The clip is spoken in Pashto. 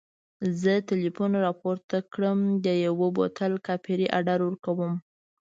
زه ټلیفون راپورته کړم د یوه بوتل کاپري اډر ورکړم.